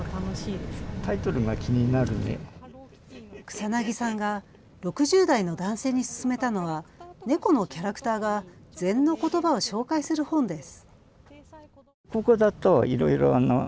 草薙さんが６０代の男性に薦めたのはネコのキャラクターが禅のことばを紹介する本です。